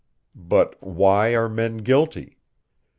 But why are men guilty?